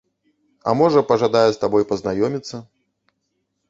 А можа, пажадае з табой пазнаёміцца.